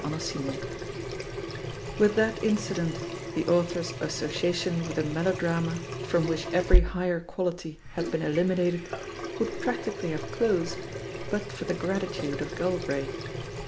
CHAPTER IV With that incident the author's association with a melodrama from which every higher qual^ ity had been eliminated would practically have closed but for the gratitude of Galbraith.